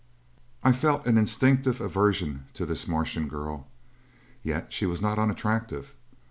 I felt an instinctive aversion to this Martian girl. Yet she was not unattractive.